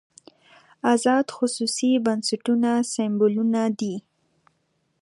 ازاد خصوصي بنسټونه سېمبولونه دي.